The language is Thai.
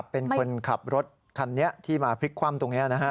เป็นคนขับรถคันนี้ที่มาพลิกคว่ำตรงนี้นะฮะ